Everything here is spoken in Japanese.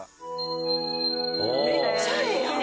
めっちゃええやん！